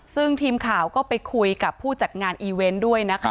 ซึ่งทีมข่าวก็ไปคุยกับผู้จัดงานอีเวนต์ด้วยนะคะ